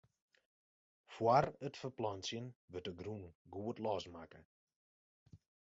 Fóár it ferplantsjen wurdt de grûn goed losmakke.